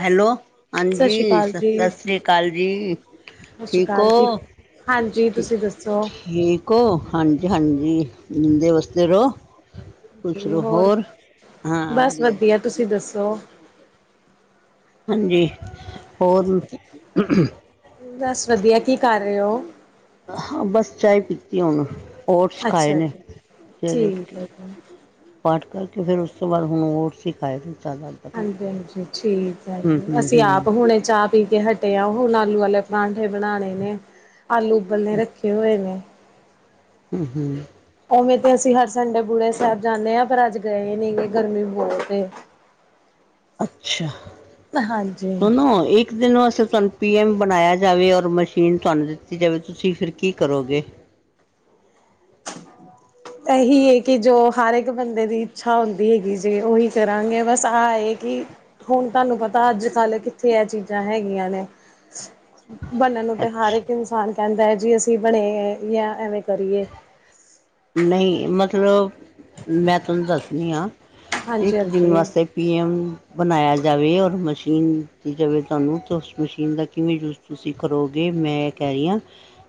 Hello ਸਤਿ ਹਾਂਜੀ ਸ਼੍ਰੀ ਅਕਾਲ ਜੀ, ਸਤਿ ਸ੍ਰੀ ਅਕਾਲ ਜੀ। ਸਤਿ ਸ਼੍ਰੀ ਠੀਕ ਹੋ ਅਕਾਲ ਜੀ। ਹਾਂਜੀ, ਠੀਕ। ਤੁਸੀਂ ਦੱਸੋ? ਠੀਕ ਹੋ ਹਾਂਜੀ ਹਾਂਜੀ ਜਿਉਂਦੇ ਵਸਦੇ ਰਹੋ। ਖੁਸ਼ ਰਹੋ ਹੋਰ ਬਸ ਵਧੀਆ ਤੁਸੀਂ ਦੱਸੋ ਹਾਂਜੀ ਹੋਰ ਬਸ ਵਧੀਆ, ਕੀ ਕਰ ਰਹੇ ਹੋ? ਹਾਂ, ਬਸ ਚਾਏ ਪੀਤੀ ਆ ਹੁਣ। ਓਟਸ ਖਾਏ ਅੱਛਾ ਨੇ ਜੀ, ਸਵੇਰੇ ਉੱਠ ਠੀਕ ਕੇ। ਹੈ ਜੀ। ਪਾਠ ਕਰਕੇ ਫਿਰ ਉਸ ਤੋਂ ਬਾਅਦ ਹੁਣ ਉਟਸ ਹੀ ਖਾਏ ਜਿਆਦਾ। ਹਾਂਜੀ ਹਾਂਜੀ ਠੀਕ ਹੈ ਜ ਅਸੀਂ ਹੂੰ ਆਪ ਹੁਣੇ ਚਾਹ ਪੀ ਕੇ ਹਟਿਆ ਉਹ ਹੁਣ ਆਲੂ ਵਾਲੇ ਪਰਾਂਠੇ ਬਣਾਣੇ ਨੇ ਆਲੂ ਉਬਲਣੇ ਰੱਖੇ ਹੋਏ ਨੇ ਹੂੰ ਹੂੰ। ਉਵੇਂ ਤੇ ਅਸੀਂ ਹਰ ਸੰਡੇ ਬੂੜੇ ਸਾਹਿਬ ਜਾਂਦੇ ਹਾਂ ਪਰ ਅੱਜ ਗਏ ਨੀ ਗ ਗਰਮੀ ਬਹੁਤ ਅੱਛਾ ਹਾਂਜੀ, ਸੁਨੋ ਇੱਕ ਇੱਕ ਦਿਨ ਵਾਸਤੇ ਤੁਹਾਨੂੰ ਪੀ ਐਮ ਬਣਾਇਆ ਜਾਵੇ ਔਰ ਮਸ਼ੀਨ ਤੁਹਾਨੂੰ ਦਿੱਤੀ ਜਾਵੇ ਤੁਸੀਂ ਫਿਰ ਕੀ ਕਰੋਗੇ ਇਹੀ ਹੈ ਕਿ ਜੋ ਹਰ ਇੱਕ ਬੰਦੇ ਦੀ ਇੱਛਾ ਹੁੰਦੀ ਹੈਗੀ ਜੇ ਉਹੀ ਕਰਾਂਗੇ ਬਸ ਆਹ ਇਹ ਕਿ ਹੁਣ ਤੁਹਾਨੂੰ ਪਤਾ ਅੱਜ ਕੱਲ੍ਹ ਕਿੱਥੇ ਇਹ ਚੀਜ਼ਾਂ ਹੈਗੀਆਂ ਨੇ ਬਣਨ ਨੂੰ ਤੇ ਹਰ ਅੱਛਾ ਇੱਕ ਇਨਸਾਨ ਕਹਿੰਦਾ ਹੈ ਜੀ ਅਸੀਂ ਬਣੇ ਜਾਂ ਐਵੇਂ ਕਰੀਏ ਨਹੀਂ ਮਤਲਬ ਮੈਂ ਤੁਹਾਨੂੰ ਦੱਸਦੀ ਹਾਂ ਹਾਂਜੀ ਇੱਕ ਦਿਨ ਹਾਂਜੀ ਵਾਸਤੇ ਪੀ ਐੱਮ ਬਣਾਇਆ ਜਾਵੇ ਔਰ ਮਸ਼ੀਨ ਦਿੱਤੀ ਜਾਵੇ ਤੁਹਾਨੂੰ ਤਾਂ ਉਸ ਮਸ਼ੀਨ ਦਾ ਕਿਵੇਂ ਯੂਜ਼। ਤੁਸੀਂ ਕਰੋਗੇ, ਮੈਂ ਇਹ ਕਹਿ ਰਹੀ ਹਾਂ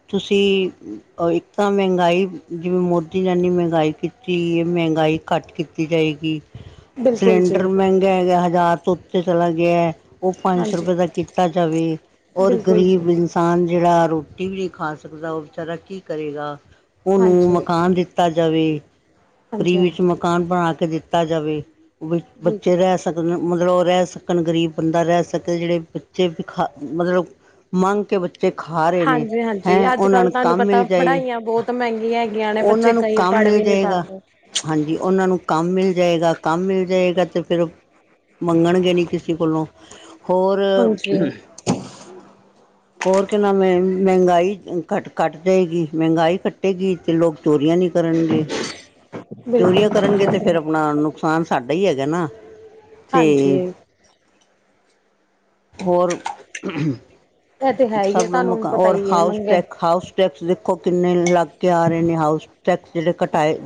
ਤੁਸੀਂ ਇੱਕ। ਤਾਂ ਮਹਿੰਗਾਈ ਜਿਵੇਂ ਮੋਦੀ ਨੇ ਨੇ ਮਹਿੰਗਾਈ ਕੀਤੀ ਇਹ ਮਹਿੰਗਾਈ ਘੱਟ ਕੀਤੀ ਜਾਵੇਗੀ ਬਿਲਕੁਲ ਜੀ ਸਿਲੰਡਰ ਮਹਿੰਗਾ ਹੈਗਾ, ਹਜ਼ਾਰ ਤੋਂ ਉੱਤੇ ਚਲਾ ਗਿਆ। ਉਹ ਪੰਜ ਸੌ ਹਾਂਜੀ ਰੁਪਏ ਦਾ ਕੀਤਾ ਜਾਵੇ ਔਰ ਬਿਲਕੁਲ ਜੀ ਗਰੀਬ। ਕਿਸਾਨ ਜਿਹੜਾ ਰੋਟੀ ਵੀ ਨਹੀਂ ਖਾ ਸਕਦਾ ਉਹ ਵਿਚਾਰਾ ਕੀ ਕਰੇਗਾ ਉਹਨੂੰ ਹਾਂਜੀ ਮਕਾਨ ਦਿ। ਦਿੱਤਾ ਜਾਵੇ ਫਰੀ ਹਾਂਜੀ ਵਿੱਚ ਹਾਂਜੀ ਮਕਾਨ ਬਣਾ ਕੇ ਦਿੱਤਾ ਜਾਵੇ। ਬ ਬਿਲਕੁਲ ਬੱਚੇ ਰਹਿ ਸਕਣ ਮਤਲਬ ਉਹ ਰਹਿ ਸਕਣ ਗਰੀਬ ਬੰਦਾ ਰਹਿ ਸਕੇ ਜਿਹੜੇ ਬੱਚੇ ਭਿਖਾਰੀ ਮਤਲਬ। ਮੰਗ ਕੇ ਬੱਚੇ ਖਾ ਰਹੇ ਨੇ ਹਾਂਜੀ ਹਾਂਜੀ ਹੈਂ ਅੱਜ ਉਹਨਾਂ ਕੱਲ੍ਹ ਨੂੰ ਤੁਹਾਨੂੰ ਕੰਮ ਪਤਾ ਮਿਲ। ਜਾਏ ਪੜ੍ਹਾਈਆਂ ਬਹੁਤ ਮਹਿੰਗੀਆਂ ਹੈਗੀਆਂ ਨੇ ਉਹਨਾਂ ਬੱਚੇ ਨੂੰ ਕਈ ਕੰਮ ਪੜ੍ਹ ਮਿਲ ਵੀ ਨਹੀਂ ਜਾਏਗਾ ਪਾਦੇ। ਹਾਂਜੀ, ਉਹਨਾਂ ਨੂੰ ਕੰਮ ਮਿਲ ਜਾਏਗਾ ਕੰਮ ਮਿਲ ਜਾਏਗਾ ਤੇ ਫਿਰ। ਮੰਗਣਗੇ ਨੀ ਕਿਸੇ ਕੋਲੋਂ ਹੋਰ। ਹਾਂਜੀ ਹੋਰ ਕਿੰਨਾ ਮਹਿੰਗਾਈ ਘੱਟ ਘੱਟ। ਰਹੇਗੀ ਮਹਿੰਗਾਈ ਘਟੇਗੀ ਤੇ ਲੋਕ ਚੋਰੀਆਂ ਨਹੀਂ ਕਰਨਗੇ। ਬਿਲਕੁਲ ਚੋਰੀਆਂ ਜੀ ਕਰਨਗੇ ਇਹ ਤੇ ਫੇਰ ਹੈ ਆਪਣਾ ਨੁਕਸਾਨ ਸਾਡਾ ਹੀ ਹੈਗਾ ਨਾ। ਤੇ ਹਾਂਜੀ। ਹੋਰ ਇਹ ਤੇ ਹੈ ਹੀ ਹੈ ਸਭ ਨੂੰ ਤੁਹਾਨੂੰ ਮੁਕਾਉ ਪਤਾ ਹੋਰ ਹੀ ਹੈ ਹਾਊਸ ਮੰਗੇ ਟੈਕ ਹਾਉਸ। ਟੈਕਸ ਦੇਖੋ ਕਿੰਨੇ ਲੱਗ ਕੇ ਆ ਰਹੇ ਨੇ ਹਾਊਸ ਟੈਕਸ ਜਿਹੜੇ ਘਟਾਏ।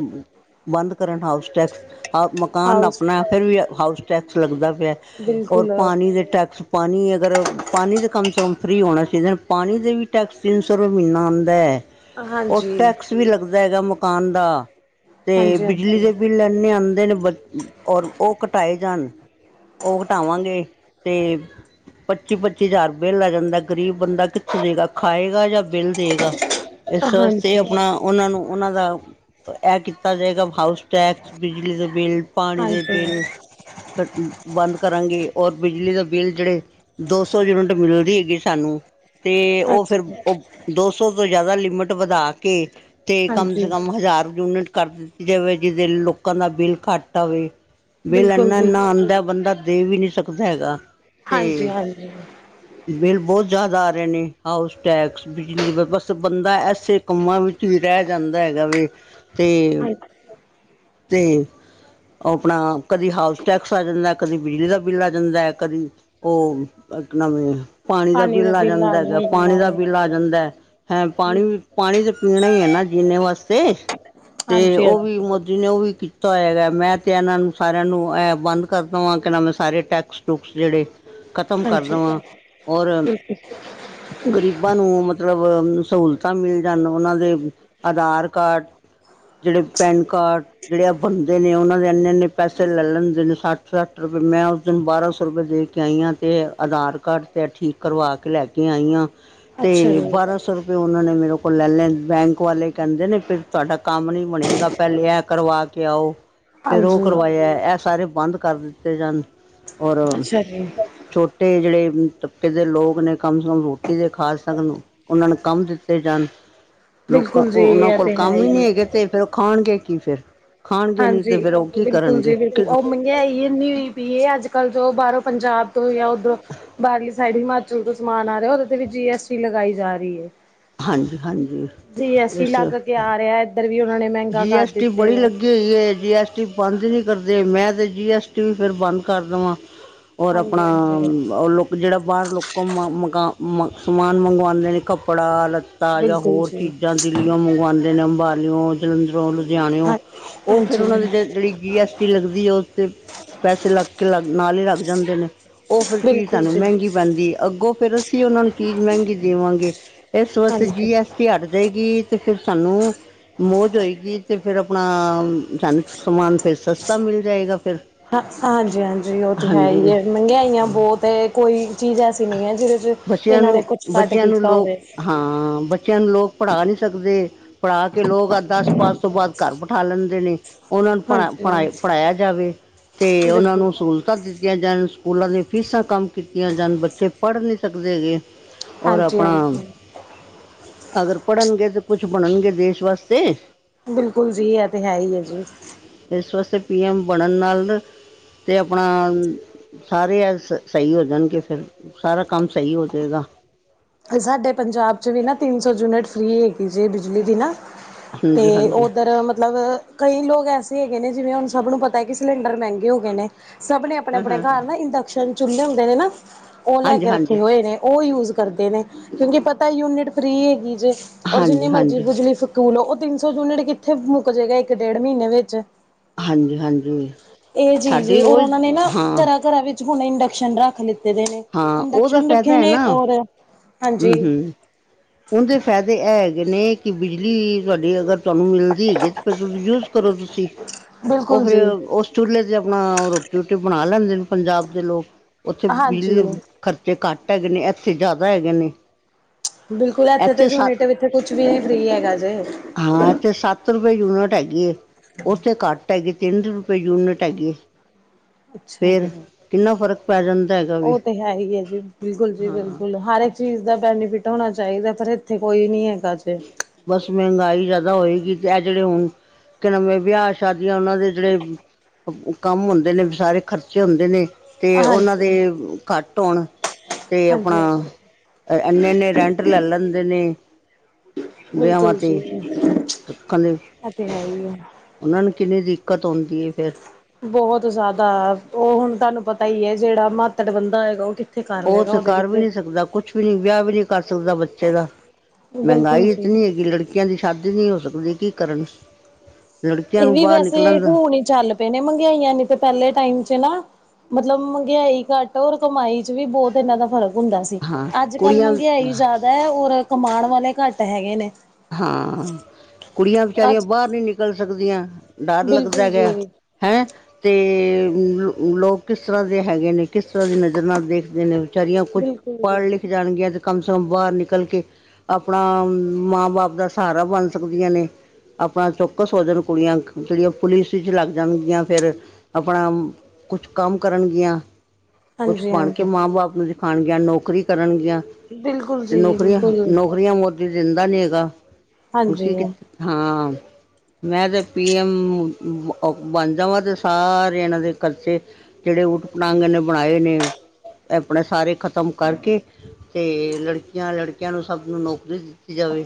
ਬੰਦ ਕਰਨ ਹਾਊਸ ਟੈਕਸ। ਹ ਮਕਾਨ ਹਾਊਸ ਆਪਣਾ ਫਿਰ ਵੀ ਹਾਊਸ ਟੈਕਸ ਲੱਗਦਾ ਪਿਆ। ਔਰ ਬਿਲਕੁਲ ਪਾਣੀ ਦੇ ਟੈਕਸ ਪਾਣੀ ਅਗਰ ਪਾਣੀ ਦੇ ਕਮ ਸੇ ਕਮ ਫ੍ਰੀ ਹੋਣਾ ਚਾਹੀਦੇ ਪਾਣੀ ਦੇ ਵੀ ਟੈਕਸ ਤਿੰਨ ਸੌ ਰੁਪਏ ਮਹੀਨਾ। ਪ ਉਹ ਹਾਂਜੀ ਟੈਕਸ ਵੀ ਲੱਗਦਾ ਹੈਗਾ ਮਕਾਨ ਦਾ ਤੇ ਹਾਂਜੀ ਬਿਜਲੀ ਹਾਂਜੀ ਦੇ ਬਿੱਲ। ਇਨੇ ਆਉਂਦੇ ਨੇ, ਔਰ ਉਹ ਘਟਾਏ ਜਾਣ। ਉਹ ਘਟਾਵਾਂਗੇ ਤੇ। ਪੱਚੀ ਪੱਚੀ ਹਜ਼ਾਰ ਬਿੱਲ ਆ ਜਾਂਦਾ ਗ਼ਰੀਬ ਬੰਦਾ ਕਿੱਥੋਂ ਦੇਵੇਗਾ ਖਾਏਗਾ ਜਾਂ ਬਿੱਲ ਦੇਵੇਗਾ। ਇਸ ਵਾਸਤੇ ਹਾਂਜੀ ਆਪਣਾ। ਉਹਨਾਂ ਨੂੰ ਉਹਨਾਂ ਦਾ ਇਹ ਕੀਤਾ ਜਾਏਗਾ ਹਾਊਸ ਟੈਕਸ ਬਿਜਲੀ ਦੇ ਬਿੱਲ। ਪਾਣੀ ਦੇ ਹਾਂਜੀ ਬਿੱਲ ਬੰਦ ਕਰਾਂਗੇ ਔਰ ਬਿਜਲੀ ਦਾ ਬਿੱਲ ਜਿਹੜੇ। ਦੋ ਸੌ ਯੂਨਿਟ ਮਿਲਦੀ ਹੈਗੀ ਸਾਨੂੰ ਤੇ ਉਹ ਫੇਰ ਅੱਛਾ ਉਹ ਦੋ ਸੌ ਤੋਂ ਜਿਆਦਾ ਲਿਮਿਟ ਵਧਾ ਕੇ ਤੇ ਕਮ ਹਾਂਜੀ ਸੇ ਕਮ ਹਜ਼ਾਰ ਯੂਨਿਟ ਕਰ। ਜਿਵੇਂ ਜਿਵੇਂ ਲੋਕਾਂ ਦਾ ਬਿੱਲ ਘੱਟ ਆਵੇ। ਬਿੱਲ ਬਿਲਕੁਲ ਇੰਨਾ ਜੀ ਇੰਨਾ ਆਉਂਦਾ ਬੰਦਾ ਦੇ ਵੀ ਨਹੀਂ ਸਕਦਾ ਹੈਗਾ ਤੇ। ਹਾਂਜੀ ਹਾਂਜੀ ਬਿੱਲ ਬਹੁਤ ਜ਼ਿਆਦਾ ਆ ਰਹੇ ਨੇ ਹਾਊਸ ਟੈਕਸ ਬਿਜਲੀ। ਬੰਦਾ ਐਸੇ ਕੰਮਾਂ ਵਿੱਚ ਹੀ ਰਹਿ ਜਾਂਦਾ ਹੈਗਾ ਵ ਤੇ ਹਾਂਜੀ ਤੇ ਉਹ ਆਪਣਾ ਕਦੀ ਹਾਊਸ ਟੈਕਸ ਆ ਜਾਂਦਾ ਕਦੀ ਬਿਜਲੀ ਦਾ ਬਿੱਲ ਆ ਜਾਂਦਾ ਹੈ ਕਦੀ ਉਹ [unintelligible] ਪਾਣੀ ਦਾ ਬੀਲ ਆ ਜਾਂਦੈ ਹੈਗਾ ਪਾਣੀ ਦਾ ਪੀਲਾ ਜਾਂਦੈ। ਹੈਂ ਪਾਣੀ ਵੀ ਪਾਣੀ ਤਾਂ ਪੀਣਾ ਹੀ ਹੈ ਨਾ ਜੀਨੇ ਵਾਸਤੇ ਤੇ ਹਾਂਜੀ ਉਹ ਵੀ ਹਾਂਜੀ ਜਿਹਨੇ ਉਹ ਵੀ ਕੀਤਾ ਹੋਇਆਗਾ ਮੈਂ ਤੇ ਇਹਨਾਂ ਨੂੰ ਸਾਰਿਆਂ ਨੂੰ ਬੰਦ ਕਰ ਦੇਵਾਂ ਕਿ ਨਾ ਮੈਂ ਸਾਰੇ ਟੈ ਟੈਕਸ ਟੁਕਸ ਜਿਹੜੇ ਖਤਮ ਕਰਦਾ ਹਾਂਜੀ ਦਵਾਂ ਔਰ। ਬਿਲਕੁਲ ਗ਼ਰੀਬਾਂ ਨੂੰ ਮਤਲਬ ਸਹੂਲਤਾਂ ਮਿਲ ਜਾਣ ਉਹਨਾਂ ਦੇ ਆਧਾਰ ਕਾਰਡ। ਜਿਹੜੇ ਪੈਨ ਕਾਰਡ। ਜਿਹੜੇ ਆ ਬਣਦੇ ਨੇ ਉਹਨਾਂ ਦੇ ਇੰਨੇ ਇੰਨੇ ਪੈਸੇ ਲੈ ਲੈਂਦੇ ਨੇ ਸੱਠ ਸੱਠ ਰੁਪਏ ਮੈਂ ਉਸ ਦਿਨ ਬਾਰਾਂ ਸੌ ਰੁਪਏ ਦੇ ਕੇ। ਆਈਆਂ ਤੇ ਆਧਾਰ ਕਾਰਡ ਤੇ ਠੀਕ ਕਰਵਾ ਕੇ ਲੈ ਕੇ ਆਈਆਂ ਤੇ। ਅੱਛਾ ਜੀ ਬਾਰਾਂ ਸੌ ਰੁਪਏ ਉਹਨਾਂ ਨੇ ਮੇਰੇ ਕੋਲ ਲੈ ਲਏ। ਬੈਂਕ ਵਾਲੇ ਕਹਿੰਦੇ ਨੇ ਫਿਰ ਤੁਹਾਡਾ ਕੰਮ ਨੀ ਬਣੇਗਾ। ਪਹਿਲੇ ਇਹ ਕਰਵਾ ਕਿ ਆਓ। ਫਿਰ ਉਹ ਹਾਂਜੀ ਕਰਵਾਇਆ ਇਹ ਸਾਰੇ ਬੰਦ ਕਰ ਦਿੱਤੇ ਜਾਣ ਔਰ। ਅੱਛਾ ਜੀ ਛੋਟੇ ਜਿਹੜੇ ਤਬਕੇ ਦੇ ਲੋਕ ਨੇ ਕਮ ਸੇ ਕਮ ਰੋਟੀ ਦੇ ਖਾ ਸਕਣ। ਉਹਨਾਂ ਨੂੰ ਕੰਮ ਦਿੱਤੇ ਜਾਣ ਲੋਕਾਂ ਬਿਲਕੁਲ ਜੀ ਉਹਨਾਂ ਇਹ ਕੋਲ ਤੇ ਹੈ ਕੰਮ ਹੀ ਨਹੀਂ ਹੈ ਹੈਗੇ ਤੇ ਫਿਰ। ਖਾਣਗੇ ਕੀ ਫਿਰ ਖਾਣਗੇ ਨੀ ਤੇ ਹਾਂਜੀ ਫੇਰ ਉਹ ਕੀ ਬਿਲਕੁਲ ਜੀ ਕਰਨਗੇ। ਬਿਲਕੁਲ ਉਹ ਇੰਨੀ ਹੋਈ ਪਈ ਇਹ ਅੱਜ ਕੱਲ ਜੋ ਬਾਹਰੋਂ ਪੰਜਾਬ ਤੋਂ ਜਾ ਉੱਧਰੋਂ ਬਾਹਰਲੀ ਸਾਈਡ ਹਿਮਾ। ਜਦ ਸਮਾਨ ਆ ਰਿਹਾ ਉਹਦੇ ਤੇ ਵੀ ਜੀ ਐਸ ਟੀ ਲਗਾਈ ਜਾ ਰਹੀ ਏ। ਹਾਂਜੀ ਹਾਂਜੀ ਇਹ ਲੱਗ ਕੇ ਸਿਰਫ ਆ ਰਿਹਾ ਇੱਧਰ ਵੀ ਉਹਨਾਂ ਨੇ ਮੈਂ ਜੀ ਐਸ ਟੀ ਬੜੀ ਲੱਗੀ ਹੋਈ ਏ ਜੀ ਐਸ ਬੰਦ ਨੀ ਕਰਦੇ ਮੈਂ ਤੇ ਜੀ ਐਸ ਟੀ ਵੀ ਫਰ ਬੰਦ ਕਰ ਦਵਾਂ ਔਰ ਹਾਂਜੀ ਆਪਣਾ ਹਾਂਜੀ ਉਹਰ ਲੋਕ ਜਿਹੜਾ ਬਾਹਰ ਲੋਕਾਂ ਮ ਮਕਾ ਮ ਸਮਾਨ ਮੰਗਵਾਂਦੇ ਨੇ ਕੱਪੜਾ ਲ ਤਾਜ਼ਾ ਬਿਲਕੁਲ ਹੋਰ ਜੀ ਚੀਜ਼ਾਂ ਦਿੱਲੀਓ ਮੰਗਵਾਂਦੇ ਨੇ ਅੰਬਾਲਿਓ ਜਲੰਧਰੋ ਲੂ ਦਾਓ ਹਾਂ ਉਹ ਫੇਰ ਉਹਨਾ ਹਾਂਜੀ ਦੀ ਜਿਹੜੀ ਜੀ ਐਸ ਟੀ ਲੱਗਦੀ ਓ ਤੇ ਪੈਸੇ ਲੱਗ ਕੇ ਲੱਗ ਨਾਲ ਹੀ ਲੱਗ ਜਾਂਦੇ ਨੇ ਉਹ ਫਿਰ ਚੀਜ਼ ਬਿਲਕੁਲ ਸਾਨੂੰ ਜੀ ਮਹਿੰਗੀ ਪੈਂਦੀ ਅੱਗੋਂ ਫਿਰ ਅਸੀਂ ਉਹਨਾਂ ਨੂੰ ਚੀਜ਼ ਮਹਿੰਗੀ ਦੇਵਾਂਗੇ ਇਸ ਵਾਸਤੇ ਹਾਂਜੀ ਜੀ ਐੱਸ ਟੀ ਹਟ ਜਾਏਗੀ ਤੇ ਫਿਰ ਸਾਨੂੰ ਮੌਜ ਹੋਏਗੀ ਤੇ ਫੇਰ ਆਪਣਾ ਸਾਨੂੰ ਸਮਾਨ ਫਿਰ ਸਸਤਾ ਮਿਲ ਜਾਏਗਾ। ਫਿਰ ਹਾਂ ਹਾਂਜੀ ਹਾਂਜੀ ਉਹ ਤਾਂ ਹੈ ਹੀ ਹਾਂਜੀ ਹੈ ਮਹਿੰਗਾਈਆਂ ਬਹੋਤ ਏ ਕੋਈ ਚੀਜ਼ ਐਸੀ ਨਹੀਂ ਹੈ ਜਿਹਦੇ ਚ ਬੱਚਿਆਂ ਇਹਨਾਂ ਨੇ ਨੂੰ ਕੁੱਛ [unintelligible] ਬੱਚਿਆਂ ਨੂੰ ਕੀਤਾ ਲੋਕ ਹੋਵੇ। ਹਾਂ ਬੱਚਿਆਂ ਨੂੰ ਲੋਕ ਪੜ੍ਹਾ ਨਹੀਂ ਸਕਦੇ ਪੜ੍ਹਾ ਕਿ ਲੋਕ ਆ ਦਸ ਪਾਸ ਤੋਂ ਬਾਅਦ ਘਰ ਬਠਾ ਲੈਂਦੇ ਨੇ ਉਹਨਾਂ ਨੂੰ ਪ ਪਣਾ ਹਾਂਜੀ ਪੜ੍ਹਾਇਆ ਜਾਵੇ ਤੇ ਉਹਨਾਂ ਬਿਲਕੁਲ ਨੂੰ ਸੂਲ ਦਿੱਤੀਆਂ ਜਾਨ ਸਕੂਲਾਂ ਦੀ ਫੀਸਾਂ ਕੰਮ ਕੀਤੀਆਂ ਜਾਨ ਬੱਚੇ ਪੜ੍ਹ ਨੀ ਸਕਦੇ ਹੈਗੇ ਔਰ ਹਾਂਜੀ ਆਪਣਾ ਹਾਂਜੀ ਅਗਰ ਪੜ੍ਹਨਗੇੇ ਤੇ ਕੁਛ ਬਣਨਗੇ ਦੇਸ਼ ਵਾਸਤੇ। ਬਿਲਕੁਲ ਜੀ ਐਹ ਤੇ ਹੈ ਹੀ ਹੈ ਜੀ। ਇਸ ਵਾਸਤੇ ਪੀ ਐਮ ਬਣਨ ਨਾਲ ਤੇ ਆਪਣਾ ਸਾਰੇ ਅ ਸ ਸਹੀ ਹੋ ਜਾਨਗੇ ਫਿਰ ਸਾਰਾ ਕੰਮ ਸਹੀ ਹੋ ਜੇਗਾ। ਅਤੇ ਸਾਡੇ ਪੰਜਾਬ ਚ ਵੀ ਨਾ ਤਿੰਨ ਸੌ ਯੂਨਿਟ ਫਰੀ ਹੈਗੀ ਜੇ ਬਿਜਲੀ ਦੀ ਨਾ ਤੇ ਹਾਂਜੀ ਹਾਂਜੀ ਉੱਧਰ ਮਤਲਬ ਕਈ ਲੋਕ ਐਸੇ ਹੈਗੇ ਨੇ ਜਿਵੇਂ ਹੁਨ ਸਭ ਨੂੰ ਪਤਾ ਕਿ ਸਿਲੰਡਰ ਮਹਿੰਗੇ ਹੋ ਗਏ ਨੇ ਸਭ ਨੇ ਆਪਣੇ ਆਪਣੇ ਘਰ ਨਾ ਇੰਡਕਸ਼ਨ ਚੁੱਲੇ ਹੁੰਦੇ ਨੇ ਨਾ ਉਹ ਲੈ ਹਾਂਜੀ ਕੇ ਹਾਂਜੀ ਰੱਖੇ ਹੋਏ ਨੇ ਉਹ ਯੂਜ਼ ਕਰਦੇ ਨੇ ਕਿਉਂਕਿ ਪਤਾ ਯੂਨਿਟ ਫਰੀ ਹੈਗੀ ਜੇ ਔਰ ਜਿੰਨੀ ਹਾਂਜੀ ਮਰਜ਼ੀ ਹਾਂਜੀ ਬੁਜਲੀ ਸਕੂਲ ਉਹ ਤਿੰਨ ਸੌ ਯੂਨਿਟ ਕਿੱਥੇ ਮੁੱਕ ਜੇਗਾ ਇੱਕ ਡੇਢ ਮਹੀਨੇ ਵਿੱਚ ਹਾਂਜੀ ਹਾਂਜੀ ਇਹ ਚੀਜ ਸਾਡੀ ੳਰ ਰੋਜ਼ ਉਹਨਾਂ ਨੇ ਨਾ ਹਾਂ ਘਰਾਂ-ਘਰਾਂ ਵੀ ਹੁਨ ਇੰਡਕਸ਼ਨ ਰੱਖ ਲਿੱਤੇ ਨੇ ਹਾਂ ਇੰਡਕਸ਼ਨ ਰੱਖੇ ਨੇ ਔਰ ਹਾਂਜੀ ਹੰਮ ਹੰਮ ਉਂਹਦੇ ਫਾਇਦੇ ਇਹ ਹੈਗੇ ਨੇ ਕਿ ਬਿਜਲੀ ਤੁਹਾਡੀ ਅਗਰ ਤੁਹਾਨੂੰ ਮਿਲਦੀ ਹੈਗੀ। ਯੂਜ ਕਰੋ, ਤੁਸੀਂ ਉਹ ਬਿਲਕੁਲ ਫਿਰ ਜੀ। ਉਸ ਚੁੱਲੇ ਤੇ, ਆਪਣਾ ਰੋਟੀ -ਰੂਟੀ ਬਣਾ ਲੈਂਦੇ ਨੇ, ਪੰਜਾਬ ਦੇ ਲੋਕ। ਉੱਥੇ ਬਿਜਲੀ ਹਾਂਜੀ ਦੇ ਖਰਚੇ ਘੱਟ ਹੈਗੇ ਨੇ, ਇੱਥੇ ਜ਼ਿਆਦਾ ਹੈਗੇ ਨੇ। ਬਿਲਕੁਲ ਇੱਥੇ ਤੇ ਜੂਨਿਟ, ਇਥੇ ਕੁਛ ਵੀ ਨੀ ਫ੍ਰੀ ਹੈਗਾ ਜੇ, ਹਾਂ, ਇੱਥੇ ਸੱਤ ਰੁਪਏ ਯੂਨਿਟ ਹੈਗੀ ਐ, ਉਥੇ ਘੱਟ ਤਿੰਨ ਰੁਪਏ ਯੂਨਿਟ ਹੈਗੀ ਏ ਅੱਛਾ ਜੀ ਫ਼ਰਕ ਪੈ ਜਾਂਦਾ ਹੈਗਾ ਵੇ ਉਹ ਤੇ ਹੈ ਹੀ ਏ ਜੀ ਬਿਲਕੁਲ ਜੀ ਬਿਲਕੁਲ ਹਰ ਏਕ ਚੀਜ਼ ਦਾ ਬੈਨੀਫਿਟ ਹੋਣਾ ਚਾਹੀਦਾ ਪਰ ਇੱਥੇ ਕੋਈ ਨੀ ਹੈਗਾ ਜੇ ਬਸ ਮਹਿੰਗਾਈ ਜ਼ਆਦਾ ਹੋਏਗੀ ਤੇ ਇਹ ਜਿਹੜੇ ਹੁਨ ਵਿਆਹ ਸ਼ਾਦੀਆਂ ਉਹਨਾਂ ਜਿਹੜੇ ਕੰਮ ਹੁੰਦੇ ਨੇ ਸਾਰੇ ਖਰਚੇ ਹੁੰਦੇ ਨੇ। ਤੇ ਉਹਨਾਂ ਦੇ ਹਾਂਜੀ, ਖੱਟ ਹੋਣ ਤੇ ਆਪਣਾ ਹਾਂਜੀ-ਹਾਂਜੀ ਇੰਨੇ ਇੰਨੇ ਰੈਂਟ ਲੈ ਲੈਂਦੇ ਨੇ। ਵਿਆਹਾਂ ਬਿਲਕੁਲ ਜੀ ਤੇ ਰੱਖਣ ਦੇ ਐਤੇ ਹੈ ਈ ਏ ਉਹਨਾਂ ਨੂੰ ਕਿੰਨੀ ਦਿੱਕਤ ਔਂਦੀ ਏ ਫੇਰ ਬਹੋਤ ਜ਼ਿਆਦਾ ਉਹ ਹੁਨ ਤੁਹਾਨੂੰ ਪਤਾ ਹੀ ਏ ਜਿਹੜਾ ਮਾਤੜ ਬੰਦਾ ਹੈਗਾ ਉਹ ਕਿ ਉਹ ਉੱਥੇ ਕਰ ਵੀ ਨੀ ਸਕਦਾ ਕੁਛ ਵੀ ਨੀ ਵਿਆਹ ਵੀ ਨੀ ਕਰ ਸਕਦਾ ਬੱਚੇ ਦਾ ਬਿਲਕੁਲ ਮਹਿੰਗਾਈ ਜੀ। ਇਤਨੀ ਹੈਗੀ, ਲੜਕੀਆਂ ਦੀ ਸ਼ਾਦੀ ਨਹੀਂ ਹੋ ਸਕਦੀ, ਕੀ ਕਰਨ ਲੜਕੀਆਂ ਇਹ ਨੂੰ ਵੀ ਬਾਹਰ ਵੈਸੇ, ਨਿਕਲਣ ਦਾ ਹੁਣ ਹੀ ਚੱਲ ਪਏ ਨੇ ਮਹਿੰਗਾਈਆਂ ਨੇ ਤੇ ਪਹਿਲੇ ਟਾਈਮ ਚ ਨਾ ਮਤਲਬ ਮਹਿੰਗਾਈ ਘੱਟ, ਔਰ ਕਮਾਈ ਚ ਵੀ ਬਹੁਤ ਇਹਨਾਂ ਦਾ ਫ਼ਰਕ ਹੁੰਦਾ ਸੀ। ਹਾਂ ਅੱਜ-ਕੱਲ੍ਹ, ਕੁੜੀਆਂ ਮਹਿੰਗਾਈ ਜ਼ਿਆਦਾ ਹੈ, ਔਰ ਕਮਾਣ ਵਾਲੇ ਘੱਟ ਹੈਗੇ ਨੇ, ਹਾਂ, ਕੁੜੀਆਂ ਵਿਚਾਰੀਆਂ ਅੱਜ ਬਾਹਰ ਨੀ ਨਿਕਲ ਸਕਦੀਆਂ, ਡਰ ਲੱਗਦਾ ਬਿਲਕੁਲ ਜੀ ਗੈ। ਹੈਂ, ਤੇ ਲੋਕ ਕਿਸ ਤਰ੍ਹਾਂ ਦੇ ਹੈਗੇ, ਨੇ ਕਿਸ ਤਰ੍ਹਾਂ ਦੀ ਨਜ਼ਰ ਨਾਲ ਦੇਖਦੇ ਨੇ ਵਿਚਾਰੀਆਂ, ਕੁੱਝ ਬਿਲਕੁਲ ਜੀ ਪੜ੍ਹ ਲਿਖ ਜਾਣਗੀਆਂ, ਤੇ ਕਮ ਸੇ ਕਮ ਬਾਹਰ ਨਿਕਲ ਕੇ ਆਪਣਾ, ਮਾਂ ਬਾਪ ਮਾਂ ਬਾਪ ਦਾ, ਸਹਾਰਾ ਬਣ ਸਕਦੀਆਂ ਨੇ। ਆਪਣਾ ਚੌਕਸ ਹੋ ਜਾਣ ਕੁੜੀਆਂ, ਜਿਹੜੀਆਂ ਪੁਲਿਸ ਵਿੱਚ ਲੱਗ ਜਾਣਗੀਆਂ ਫੇਰ ਆਪਣਾ ਕੁਛ, ਕੰਮ ਕਰਨਗੀਆਂ। ਕੁਛ ਹਾਂਜੀ ਬਣ ਕੇ ਹਾਂਜੀ। ਮਾਂ ਬਾਪ ਨੂੰ, ਦਿਖਾਣਗੀਆਂ ਨੌਕਰੀ ਕਰਨਗੀਆਂ। ਬਿਲਕੁਲ ਤੇ ਜੀ ਨੌਕਰੀਆਂ, ਬਿਲਕੁਲ ਨੌਕਰੀਆਂ ਮੋਦੀ ਦਿੰਦਾ ਨੀ ਹੈਗਾ। ਹਾਂਜੀ। ਹਾਂ ਮੈਂ ਤੇ, ਪੀ -ਐਮ ਬਣ ਜਾਵਾਂ ਤੇ, ਸਾਰੇ ਇਹਨਾਂ ਦੇ ਖਰਚੇ ਜਿਹੜੇ ਊਟ ਪਟਾਂਗ ਨੇ ਬਣਾਏ, ਨੇ ਆਪਣੇ ਸਾਰੇ ਖਤਮ ਕਰਕੇ। ਤੇ ਲੜਕੀਆਂ-ਲੜਕਿਆਂ, ਨੂੰ ਸਭ ਨੂੰ ਨੌਕਰੀ ਦਿੱਤੀ ਜਾਵੇ।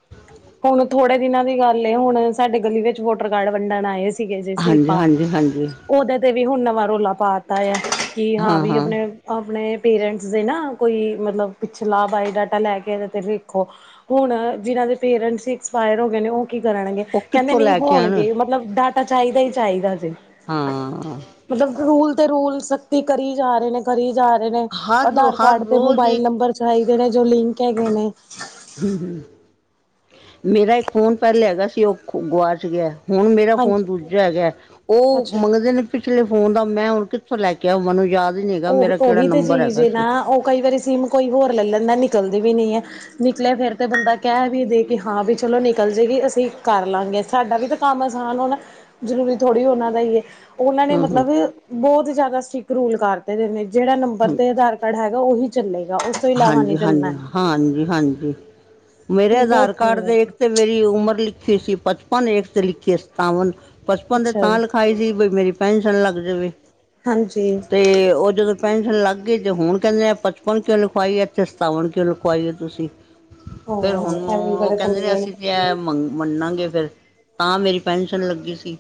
ਹਾਂ, ਹੁਣ, ਥੋੜੇ ਦਿਨਾਂ ਦੀ ਗੱਲ ਏ, ਹੁਣ ਸਾਡੇ ਗਲੀ ਵਿੱਚ ਵੋਟਰ ਕਾਰਡ ਵੰਡਣ ਆਏ ਸੀ। ਦੇ ਗਏ ਸੀ, ਹਾਂਜੀ ਸਲੀਪਾਂ, ਹਾਂਜੀ ਹਾਂਜੀ ਉਹਦੇ ਤੇ ਵੀ ਹੁਣ ਨਵਾਂ ਰੌਲਾ, ਪਾ ਤਾ ਆ ਕਿ ਹਾਂ ਵੀ ਆਪਣੇ ਆਪਣੇ ਪੇਰੈਂਟਸ ਦੇ ਨਾ, ਕੋਈ ਮਤਲਬ, ਪਿੱਛਲਾ ਬਾਇਓਡਾਟਾ ਲੈ ਕੇ ਤੇ ਲਿਖੋ। ਹੁਣ, ਜਿਨਾਂ ਦੇ ਪੇਰੈਂਟਸ ਐਕਸਪਾਇਰ ਹੋ ਗਏ ਨੇ, ਉਹ ਕੀ ਕਰਨਗੇ? ਉਹ ਕਹਿੰਦੇ ਕਿੱਥੋਂ ਨਹੀਂ ਲੈ ਕੇ ਆਣ ਹੋਣਗੇ, ਮਤਲਬ ਡਾਟਾ ਚਾਹੀਦਾ ਹੀ ਚਾਹੀਦਾ ਜੇ ਹਾਂ, ਮਤਲਬ, ਰੂਲ ਤੇ ਰੂਲ, ਸਖਤੀ ਕਰੀ ਜਾ ਰਹੇ ਨੇ, ਕਰੀ ਜਾ ਰਹੇ ਨੇ, ਹਰ ਆਧਾਰ ਹਰ ਕਾਰਡ ਤੇ ਰੋਜ਼ ਮੋਬਾਈਲ ਇੱਕ ਨੰਬਰ ਚਾਹੀਦੇ, ਨੇ ਜੋ ਲਿੰਕ ਹੈਗੇ ਨੇ। ਹੂੰ-ਹੂੰ, ਮੇਰਾ ਇੱਕ ਫੋਨ ਪਹਿਲ ਹੈਗਾ ਸੀ, ਉਹ ਗੁਆਚ ਗਿਆ। ਹੁਣ ਮੇਰਾ ਫੋਨ ਹਾਂਜੀ ਦੂਜਾ ਹੈਗਾ, ਉਹ ਅੱਛਾ ਜੀ ਮੰਗਦੇ ਨੇ ਪਿਛਲੇ ਫੋਨ ਦਾ, ਮੈਂ ਹੁਣ ਕਿੱਥੋਂ ਲੈ ਕੇ ਆ ਮੈਨੂੰ ਯਾਦ ਹੀ ਨਹੀਂ ਹੈਗਾ ਉਹ, ਮੇਰਾ ਕਿਹੜਾ ਉਹੀ ਤੇ ਨੰਬਰ ਚੀਜ਼ ਹੈਗਾ ਹੈ ਸੀ ਨਾ, ਉਹ ਕਈ ਵਾਰੀ ਸਿਮ ਕੋਈ ਹੋਰ ਲੈ ਲੈਂਦਾ, ਨਿਕਲਦੀ ਵੀ ਨਹੀਂ ਹੈ। ਨਿਕਲੇ ਫੇਰ ਤੇ ਬੰਦਾ ਕਹਿ ਵੀ ਦੇ ਕਿ ਹਾਂ ਵੀ ਚਲੋ, ਨਿਕਲ ਜਾਏਗੀ, ਅਸੀਂ ਕਰ ਲਾਂਗੇ ਸਾਡਾ ਵੀ। ਕੰਮ ਆਸਾਨ ਹੋਣਾ, ਜ਼ਰੂਰੀ ਥੋੜੀ ਹੋਨਾਂ ਦਾ ਹੀ ਹੈ। ਉਹਨਾਂ ਨੇ ਹੂੰ ਹੂੰ ਮਤਲਬ, ਬਹੁਤ ਜਿਆਦਾ ਸਟ੍ਰਿਕਟ ਰੂਲ ਕਰ ਤੇ ਨੇ, ਜਿਹੜਾ ਨੰਬਰ ਤੇ ਆਧਾਰ ਪੜ ਹੈਗਾ ਉਹੀ ਚੱਲੇਗਾ ਉਸ ਤੋਂ ਇਲਾਵਾ ਨੀ ਹਾਂਜੀ ਚੱਲਣਾ ਹਾਂਜੀ ਐ। ਹਾਂਜੀ ਹਾਂਜੀ ਮੇਰੇ ਉਹ ਬਹੁਤ ਆਧਾਰ ਕਾਰਡ ਪੰਗਾ ਦੇ ਇੱਕ ਐ, ਤੇ ਮੇਰੀ ਉਮਰ ਲਿਖੀ ਸੀ ਪਚਪਨ ਇੱਕ ਤੇ ਲਿਖੀ ਸਤਾਵਨ ਪਚਪਨ ਦੇ ਤਾਂ ਲਿ ਹਾਏ ਜੀ ਬਈ ਮੇਰੀ ਪੈਨਸ਼ਨ ਲੱਗ ਜਾਵੇ ਹਾਂਜੀ, ਤੇ ਉਹ ਜਦੋਂ ਪੈਨਸ਼ਨ ਲੱਗ ਗਈ ਤੇ ਹੁਣ ਕਹਿੰਦੇ ਆ ਪਚਪਨ ਕਿਉਂ ਲਿਖਵਾਈਏ ਤੇ ਸਤਾਵਨ ਕਿਉਂ ਲਿਖਵਾਈ ਤੁਸੀਂ ਫੇਰ ਹੁਣ ਐ ਵੀ ਉਹ ਬੜੇ ਕਹਿੰਦੇ ਨੇ, ਪੰਗੇ ਅਸੀਂ ਤੇ ਐ ਮੰ ਮੰਨਾਗੇ ਫਿਰ, ਤਾਂ ਮੇਰੀ ਪੈਨਸ਼ਨ ਲੱਗੀ ਸੀ।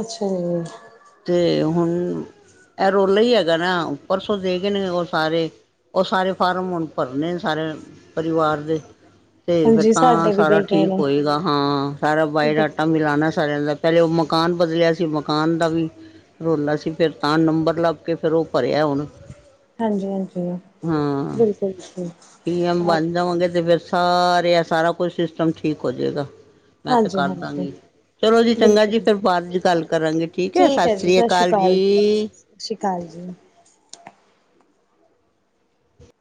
ਅੱਛਾ ਜੀ। ਅਤੇ ਹੁਣ ਇਹ ਰੌਲਾ ਹੀ ਹੈਗਾ ਨਾ, ਪਰਸੋਂ ਦੇ ਗਏ ਨੇ ਉਹ ਸਾਰੇ ਉਹ ਸਾਰੇ, ਫਾਰਮ ਹੁਣ ਭਰਨੇ ਨੇ ਸਾਰੇ ਪਰਿਵਾਰ ਦੇ। ਤੇ ਫਿਰ ਹਾਂਜੀ ਤਾਂ ਸਾਡੇ ਵੀ ਸਾਰਾ ਦੇ ਗਏ ਠੀਕ ਨੇ, ਹੋਏਗਾ, ਹਾਂ ਸਾਰਾ ਬਾਇਓਡਾਟਾ ਮਿਲਾਉਣਾ ਰਹਿੰਦਾ, ਪਹਿਲੇ ਉਹ ਮਕਾਨ ਬਦਲਿਆ ਸੀ, ਮਕਾਨ ਦਾ ਵੀ ਰੌਲਾ ਸੀ, ਫਿਰ ਤਾਂ ਨੰਬਰ ਲੱਭ ਕੇ ਫਿਰ ਉਹ ਭਰਿਆ ਹੁਣ ਹਾਂਜੀ- ਹਾਂਜੀ। ਹਾਂ, ਪੀ -ਐਮ ਚਲ ਬਣ ਜਾਵਾਂਗੇ ਤੇ, ਫਿਰ ਸਾਰੇ ਆ, ਸਾਰਾ ਕੁਛ ਸਿਸਟਮ ਠੀਕ ਹੋ ਜਾਏਗਾ ਮੈਂ ਤੇ ਹਾਂਜੀ ਹਾਂਜੀ ਕਰਦਾਂਗੀ। ਚਲੋ ਜੀ ਚੰਗਾ ਜੀ ਬਿਲਕੁਲ ਫਿਰ ਬਾਅਦ ਚ ਗੱਲ ਕਰਾਂਗੇ ਠੀਕ ਹੈ ਸਤਿ ਸ੍ਰੀ ਅਕਾਲ ਜੀ ਸਤਿ ਸ਼੍ਰੀ ਅਕਾਲ ਜੀ